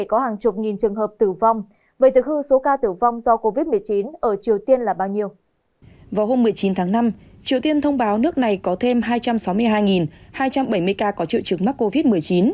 vào hôm một mươi chín tháng năm triều tiên thông báo nước này có thêm hai trăm sáu mươi hai hai trăm bảy mươi ca có triệu chứng mắc covid một mươi chín